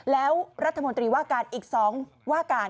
แล้วรัฐมนตรีว่าการอีก๒ว่าการ